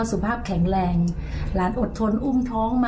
อื้ม